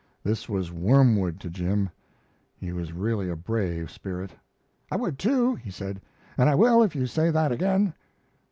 This was wormwood to Jim. He was really a brave spirit. "I would too," he said, "and I will if you say that again."